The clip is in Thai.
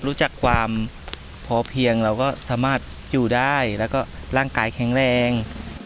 รู้จักความพอเพียงเราก็สามารถอยู่ได้แล้วก็ร่างกายแข็งแรง